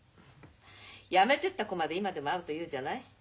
やめてった子まで今でも会うと言うじゃない？